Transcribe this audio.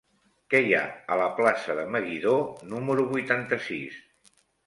Què hi ha a la plaça de Meguidó número vuitanta-sis?